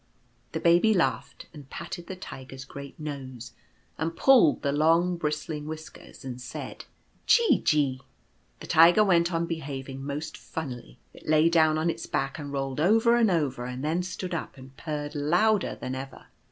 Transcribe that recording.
The Baby laughed, and patted the Tiger's great nose, and pulled the long bristling whiskers, and said: c< Gee, gee." The Tiger went on behaving most funnily. It lay down on its back, and rolled over and over, and then stood up and purred louder than ever.